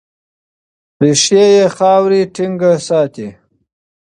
ریښې یې خاوره ټینګه ساتي.